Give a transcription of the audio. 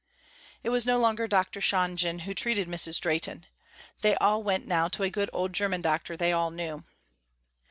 It was no longer Dr. Shonjen who treated Mrs. Drehten. They all went now to a good old german doctor they all knew.